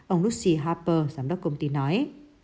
ông lucy harper giám đốc công ty nói